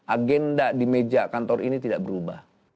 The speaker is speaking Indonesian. agenda di meja kantor ini tidak berubah